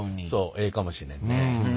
ええかもしれんね。